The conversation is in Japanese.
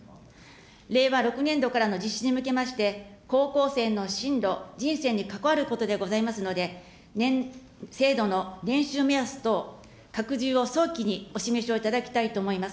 令和６年度からの実施に向けまして、高校生の進路、人生に関わることでございますので、制度の年収目安等、拡充を早期にお示しをいただきたいと思います。